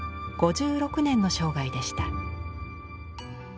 ５６年の生涯でした。